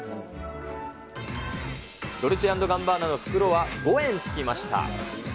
ドルチェ＆ガッパーナの袋は５円つきました。